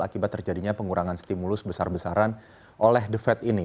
akibat terjadinya pengurangan stimulus besar besaran oleh the fed ini